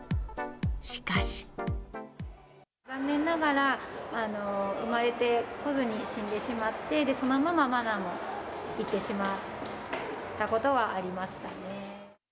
しかし。残念ながら、産まれてこずに死んでしまって、そのままマナも逝ってしまったことはありましたね。